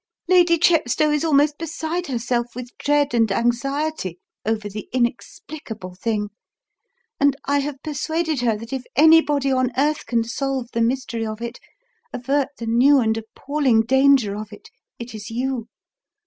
"Lady Chepstow is almost beside herself with dread and anxiety over the inexplicable thing, and I have persuaded her that if anybody on earth can solve the mystery of it, avert the new and appalling danger of it, it is you!